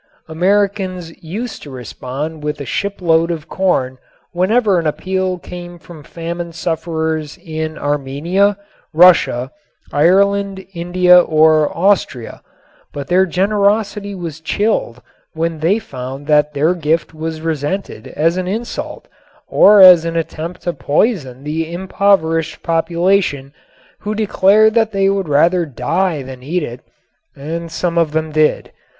Americans used to respond with a shipload of corn whenever an appeal came from famine sufferers in Armenia, Russia, Ireland, India or Austria, but their generosity was chilled when they found that their gift was resented as an insult or as an attempt to poison the impoverished population, who declared that they would rather die than eat it and some of them did.